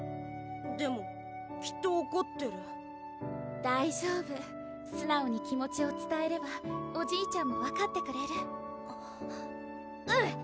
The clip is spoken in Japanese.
でもきっとおこってる大丈夫素直に気持ちをつたえればおじいちゃんも分かってくれるうん！